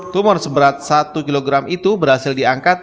tumor seberat satu kg itu berhasil diangkat